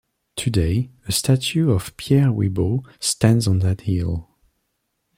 Today, a statue of Pierre Wibaux stands on that hill.